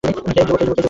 হেই, যুবক!